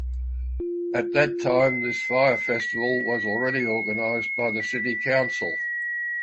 At that time this fire festival was already organised by the city council.